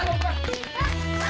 gelok ya kesini ya